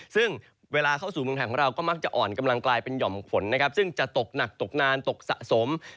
ซึ่งเวลาเข้าสู่เมืองไทยของเราก็มักจะอ่อนกำลังกลายเป็นหย่อมฝนนะครับซึ่งจะตกหนักตกนานตกสะสม